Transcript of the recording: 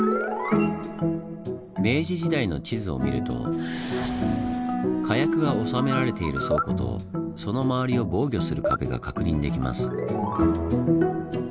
明治時代の地図を見ると火薬が収められている倉庫とその周りを防御する壁が確認できます。